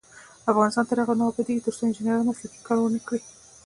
افغانستان تر هغو نه ابادیږي، ترڅو انجنیران مسلکي کار ونکړي.